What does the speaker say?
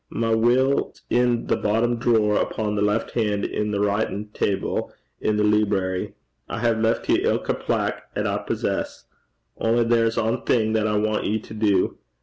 My will's i' the bottom drawer upo' the left han' i' my writin' table i' the leebrary: I hae left ye ilka plack 'at I possess. Only there's ae thing that I want ye to do.